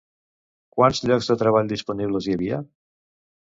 Quants llocs de treball disponibles hi havia?